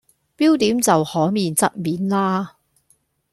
標點就可免則免喇